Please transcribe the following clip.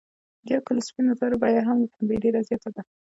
د یو کیلو سپینو زرو بیه هم له پنبې ډیره زیاته ده.